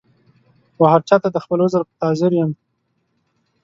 وهرچا ته د خپل عذر په تعذیر یم